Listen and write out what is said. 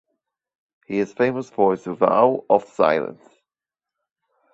He is famous for his vow of silence.